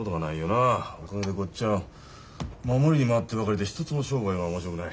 おかげでこっちは守りに回ってばかりで一つも商売が面白くない。